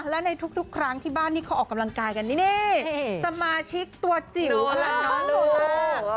และในทุกครั้งที่บ้านที่เขาออกกำลังกายกันนี่สมาชิกตัวจิ๋วค่ะน้องโนล่า